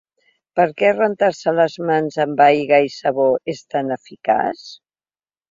Per què rentar-se les mans amb aigua i sabó és tan eficaç?